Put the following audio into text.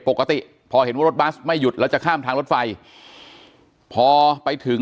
ปกติพอเห็นว่ารถบัสไม่หยุดแล้วจะข้ามทางรถไฟพอไปถึง